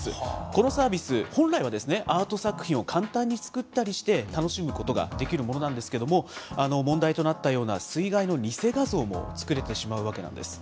このサービス、本来はアート作品を簡単に使ったりして楽しむことができるものなんですけれども、問題となったような水害の偽画像も作れてしまうわけなんです。